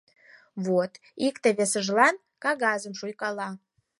— Вот!.. — икте весыжлан кагазым шуйкала.